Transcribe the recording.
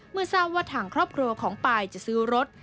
เมื่อทราบว่าทางครอบครัวของปายจะซื้อรถ